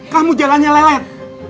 kamu jalannya lelet